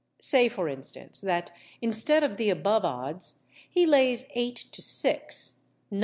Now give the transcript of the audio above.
Say, for instance, that instead of the above odds, he lays 8_l._ to 6_l._, 9_l.